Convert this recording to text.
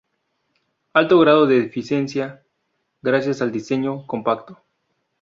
Alto grado de eficiencia gracias al diseño compacto.